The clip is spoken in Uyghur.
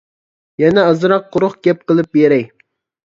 يەنە ئازراق قۇرۇق گەپ قىلىپ بېرەي.